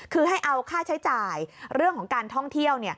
คือให้เอาค่าใช้จ่ายเรื่องของการท่องเที่ยว